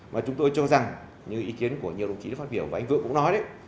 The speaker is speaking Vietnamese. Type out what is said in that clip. mà chúng tôi cho rằng như ý kiến của nhiều đồng chí đã phát biểu và anh vượng cũng nói đấy